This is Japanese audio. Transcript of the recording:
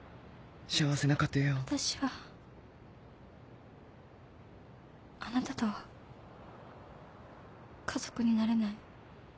わたしはあなたとは家族になれない。